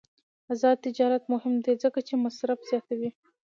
آزاد تجارت مهم دی ځکه چې مصرف زیاتوي.